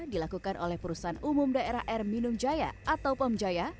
dilakukan oleh perusahaan umum daerah air minum jaya atau pomjaya